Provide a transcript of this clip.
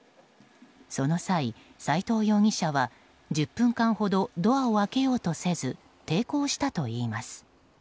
その際、斎藤容疑者は１０分間ほどドアを開けようとせず抵抗したといいます。